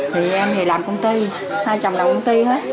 thì em thì làm công ty hai chồng đầu công ty hết